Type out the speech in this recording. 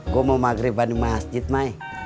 gue mau maghriban di masjid mai